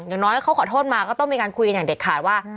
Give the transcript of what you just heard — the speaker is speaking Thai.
อย่างน้อยเขาขอโทษมาก็ต้องมีการคุยกันอย่างเด็ดขาดว่า